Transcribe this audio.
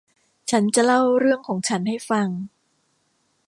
ฉันจะเล่าเรื่องของฉันให้ฟัง